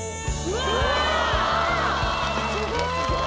すごい！